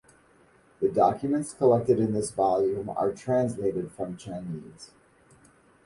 The documents collected in this volume are translated from Chinese.